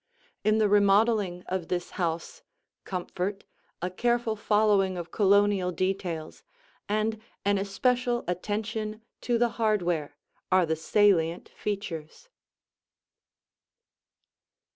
In the remodeling of this house, comfort, a careful following of Colonial details, and an especial attention to the hardware are the salient features.